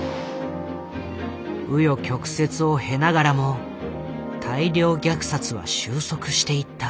紆余曲折を経ながらも大量虐殺は収束していった。